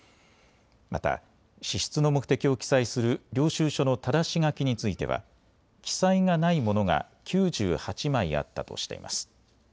また支出の目的を記載する領収書のただし書きについては記載がないものが９８枚あったとしています。